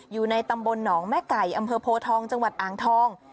อยู่ในตำบลหนองแม่ไก่อำเภอโพทองจังหวัดอ่างทอง